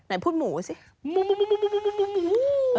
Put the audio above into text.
ไหนพูดหมูสิหมู